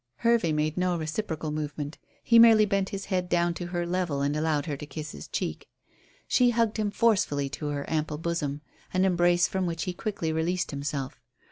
Hervey made no reciprocal movement. He merely bent his head down to her level and allowed her to kiss his cheek. She hugged him forcefully to her ample bosom, an embrace from which he quickly released himself.